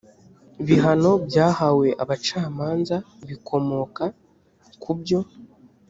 bihano byahawe abacamanza bikomoka ku byo